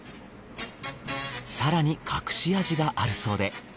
更に隠し味があるそうで。